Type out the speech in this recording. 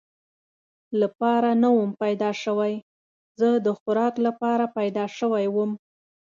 لپاره نه ووم پیدا شوی، زه د خوراک لپاره پیدا شوی ووم.